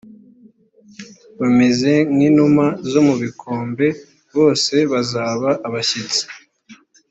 bameze nk inuma zo mu bikombe bose bazaba abashyitsi